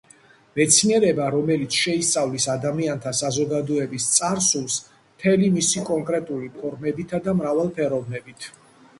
მეცნიერება, რომელიც შეისწავლის ადამიანთა საზოგადოების წარსულს მთელი მისი კონკრეტული ფორმებითა და მრავალფეროვნებით.